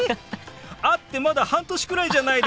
会ってまだ半年くらいじゃないですか。